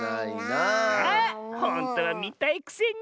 あほんとはみたいくせに。